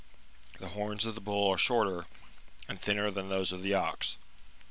^^ The horns of the bull are shorter and thinner than those of the ox.